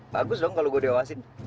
bagus dong kalau gue dewasin